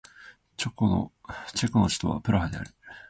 チェコの首都はプラハである